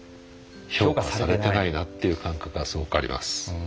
評価されていないなっていう感覚がすごくあります。